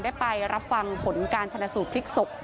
ไปรับฟังผลการชนะสูตรพลิกศพ